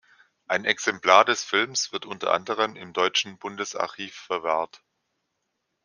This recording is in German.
Ein Exemplar des Films wird unter anderem im deutschen Bundesarchiv verwahrt.